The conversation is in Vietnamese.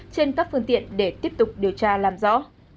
trên các phương tiện để tiếp tục điều tra làm rõ